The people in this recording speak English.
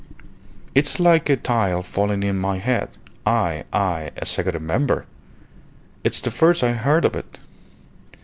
"It's like a tile falling on my head. I I executive member! It's the first I hear of it!